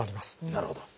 なるほど。